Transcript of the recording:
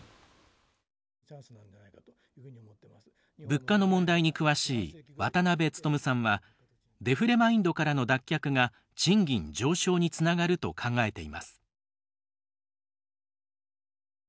物価の問題に詳しい渡辺努さんはデフレマインドからの脱却が賃金上昇につながると考えています。